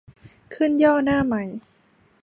ขึ้นย่อหน้าใหม่